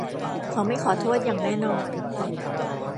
เขาไม่ขอโทษอย่างแน่นอน